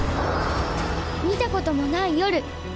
見たこともない夜。